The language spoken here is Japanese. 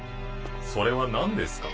それは何ですか？